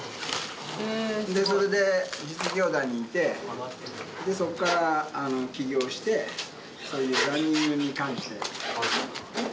それで、実業団にいて、で、そこから起業して、そういうランニングに関して。